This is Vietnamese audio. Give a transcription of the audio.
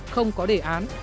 không có đề án